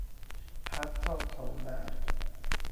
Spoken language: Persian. حتی تا مرگ